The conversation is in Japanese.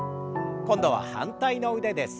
今度は反対の腕です。